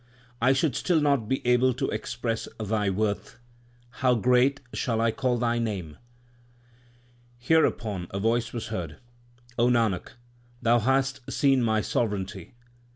LIFE OF GURU NANAK 35 I should still not be able to express Thy worth ; how great shall I call Thy name ? l Hereupon a voice was heard, O Nanak, thou hast seen My sovereignty.